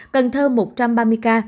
cần thơ một trăm ba mươi ca